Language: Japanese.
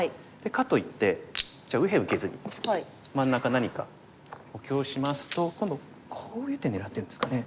かといってじゃあ右辺受けずに真ん中何か補強しますと今度こういう手狙ってるんですかね。